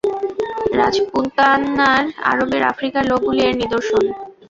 রাজপুতানার, আরবের, আফ্রিকার লোকগুলি এর নিদর্শন।